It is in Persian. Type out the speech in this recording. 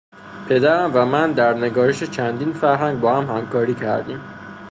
پدرم و من در نگارش چندین فرهنگ با هم همکاری کردیم.